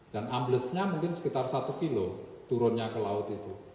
dan amblesnya mungkin sekitar satu km turunnya ke laut itu